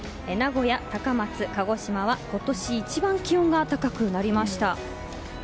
名古屋、高松、鹿児島は今年一番気温が高くなりました。